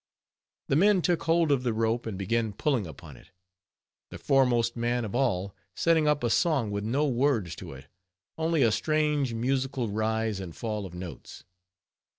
The men took hold of the rope, and began pulling upon it; the foremost man of all setting up a song with no words to it, only a strange musical rise and fall of notes.